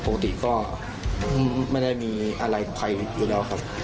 ปกติก็ไม่ได้มีอะไรกับใครอยู่แล้วครับ